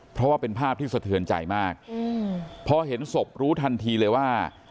เพราะว่าเป็นภาพที่สะเทือนใจมากพอเห็นศพรู้ทันทีเลยว่า